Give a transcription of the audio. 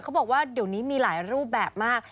บอกว่าเดี๋ยวนี้มีหลายรูปแบบมาก